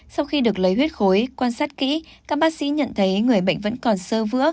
sau khi được lấy huyết khối quan sát kỹ các bác sĩ nhận thấy người bệnh vẫn còn sơ vữa